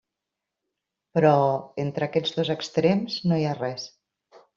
Però, entre aquests dos extrems, no hi ha res.